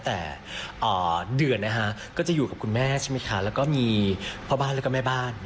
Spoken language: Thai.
แต่เดือนก็จะอยู่กับคุณแม่ใช่ไหมคะแล้วก็มีพ่อบ้านแล้วก็แม่บ้าน